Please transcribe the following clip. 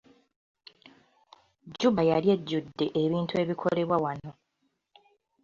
Juba yali ejjudde ebintu ebikolebwa wano.